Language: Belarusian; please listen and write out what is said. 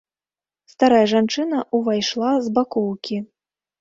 Старая жанчына ўвайшла з бакоўкі.